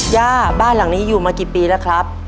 ย่าบ้านหลังนี้อยู่มากี่ปีแล้วครับ